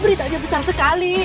berita aja besar sekali